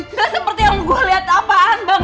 bukan seperti yang gua lihat apaan bang